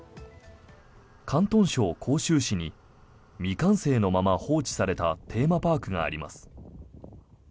広東省広州市に未完成のまま放置されたテーマパークがあります。